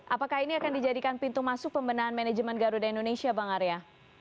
apakah ini akan dijadikan pintu masuk pembinaan manajemen garuda indonesia bang arya